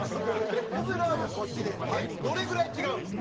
ゆずるはもうこっちでえっどれぐらい違うの？